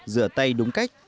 rửa tay đúng cách